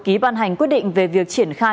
ký ban hành quyết định về việc triển khai